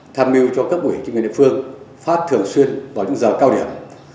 tham mưu cho các ủy chức nguyên địa phương phát thường xuyên vào những giờ cao điểm